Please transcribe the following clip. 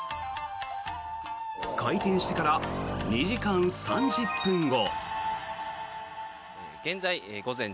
開店してから２時間３０分後。